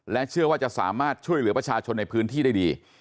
เชื่อว่าจะสามารถช่วยเหลือประชาชนในพื้นที่ได้ดี